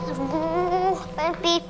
aduh pak rete pipi